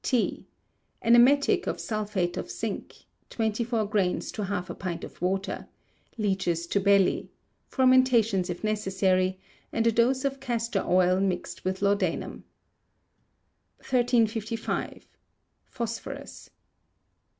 T. An emetic of sulphate of zinc (twenty four grains to half a pint of water); leeches to belly; fomentations if necessary; and a dose of castor oil mixed with laudanum. 1355. Phosphorus.